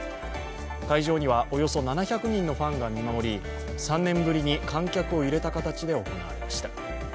会場にはおよそ７００人のファンが見守り、３年ぶりに観客を入れた形で行われました。